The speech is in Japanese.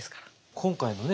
今回のね